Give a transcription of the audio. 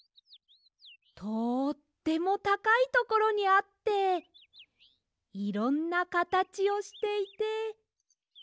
とってもたかいところにあっていろんなかたちをしていて。